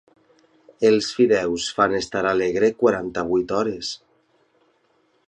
Els fideus fan estar alegre quaranta-vuit hores.